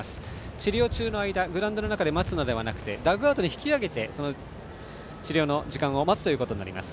治療の間グラウンドで待つのではなくてダグアウトに引き上げて治療の時間を待つことになります。